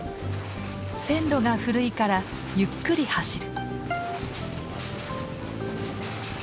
線路が古いからゆっくり走る。